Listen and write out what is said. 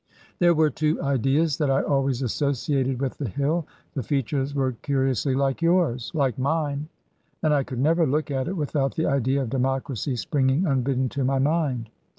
" There were two ideas that I always associated with the hill. The features were curiously like yours "" Like mine f " And I could never look at it without the idea of democracy springing unbidden to my mind."